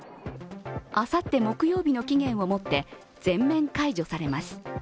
あさって木曜日の期限をもって全面解除されます。